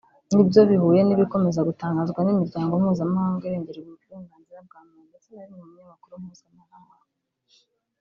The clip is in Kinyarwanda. nibyo bihuye n’ibikomeza gutangazwa n’Imiryango mpuzamahanga irengera uburenganzira bwa muntu ndetse na bimwe mu binyamakuru mpuzamahanga